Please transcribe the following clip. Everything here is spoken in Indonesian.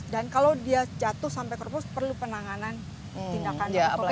dan kalau dia jatuh sampai keropos perlu penanganan tindakan arkeopedi